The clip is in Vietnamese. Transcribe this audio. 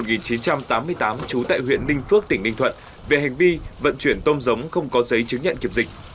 trú tại huyện ninh phước tỉnh ninh thuận về hành vi vận chuyển tôm giống không có giấy chứng nhận kiểm dịch